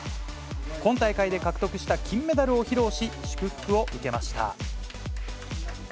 今大会で獲得した金メダルを披露し、祝福を受けました。